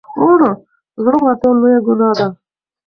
زړه ماتول لويه ګناه ده.